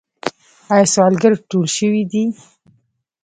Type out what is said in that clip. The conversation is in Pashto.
آیا سوالګر ټول شوي دي؟